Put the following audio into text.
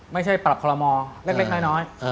ไม่ใช่ปรับคอลโมเล็กน้อย